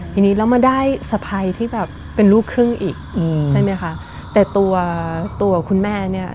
ทีนี้เรามาได้สะพายที่แบบเป็นลูกครึ่งอีกอืมใช่ไหมคะแต่ตัวตัวคุณแม่เนี้ย